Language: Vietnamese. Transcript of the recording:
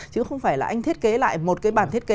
chứ không phải là anh thiết kế lại một cái bản thiết kế